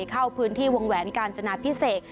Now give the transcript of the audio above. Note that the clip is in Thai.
เข้าพื้นที่วงแหวนกาญจนาพิเศษ